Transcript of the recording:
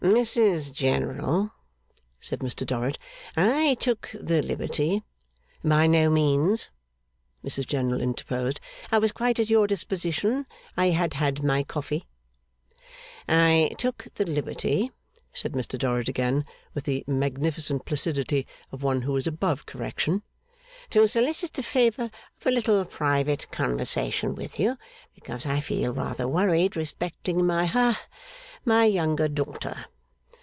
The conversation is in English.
'Mrs General,' said Mr Dorrit, 'I took the liberty ' 'By no means,' Mrs General interposed. 'I was quite at your disposition. I had had my coffee.' ' I took the liberty,' said Mr Dorrit again, with the magnificent placidity of one who was above correction, 'to solicit the favour of a little private conversation with you, because I feel rather worried respecting my ha my younger daughter.